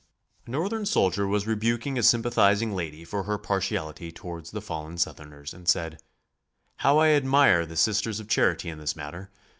A Northern soldier was rebuking a sympathizing lady for her partiality towards the fallen Southerners and said: "How I admire the Sisters of Charity in this matter.